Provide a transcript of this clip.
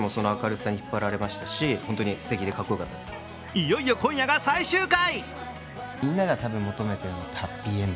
いよいよ今夜が最終回。